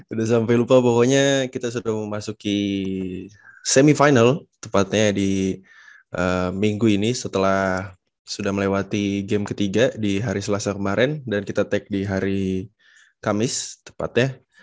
udah sampai lupa pokoknya kita sudah memasuki semifinal tepatnya di minggu ini setelah sudah melewati game ketiga di hari selasa kemarin dan kita take di hari kamis tepatnya